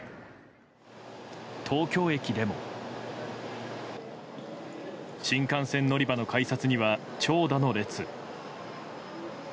東京駅でも新幹線乗り場の改札には長蛇の列。